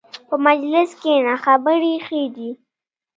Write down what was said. په مجلس کښېنه، خبرې ښې دي.